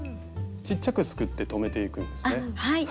ちっちゃくすくって留めていくんですね。